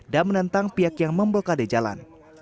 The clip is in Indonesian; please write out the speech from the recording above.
dan menentang pihak yang membelkade jalan